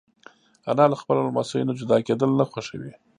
انا له خپلو لمسیو نه جدا کېدل نه خوښوي